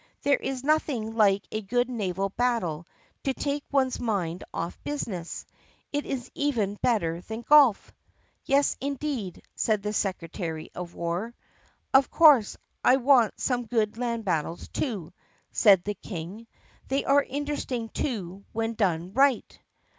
"There is nothing like a good naval battle to take one's mind off business. It is even better than golf." "Yes, indeed," said the secretary of war. "Of course, I want some good land battles, too," said the King. "They are interesting too when done right."